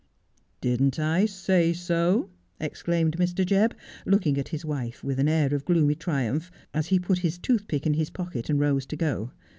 ' Didn't I say so 1 ' exclaimed Mr. Jebb, looking at his wife with an air of gloomy triumph, as he put his toothpick in his pocket and rose to go.